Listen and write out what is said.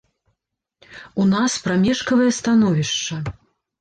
У нас прамежкавае становішча.